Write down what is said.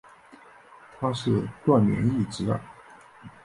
他是段廉义侄儿。